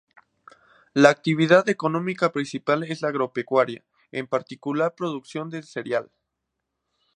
La actividad económica principal es la agropecuaria, en particular la producción de cereal.